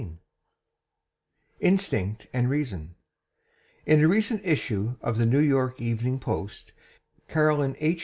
] INSTINCT AND REASON. In a recent issue of the New York Evening Post, Caroline H.